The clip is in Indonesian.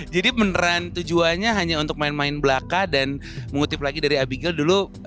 jadi beneran tujuannya hanya untuk main main belaka dan mengutip lagi dari abigail dulu